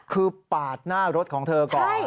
คือปาดหน้ารถของเธอก่อน